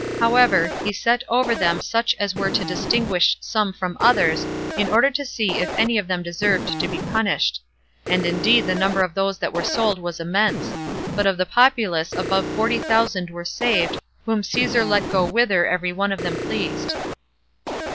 However, he set over them such as were to distinguish some from others, in order to see if any of them deserved to be punished. And indeed the number of those that were sold was immense; but of the populace above forty thousand were saved, whom Caesar let go whither every one of them pleased.